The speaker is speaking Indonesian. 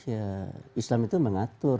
ya islam itu mengatur